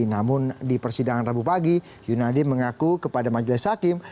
namun di persidangan rabu pagi yunadi mengaku kepada majelis hakim